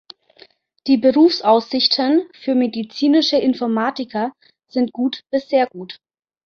Die Berufsaussichten für Medizinische Informatiker sind gut bis sehr gut.